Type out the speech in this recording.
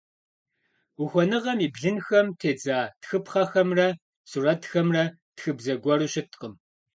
Ухуэныгъэм и блынхэм тедза тхыпхъэхэмрэ сурэтхэмрэ тхыбзэ гуэру щыткъым.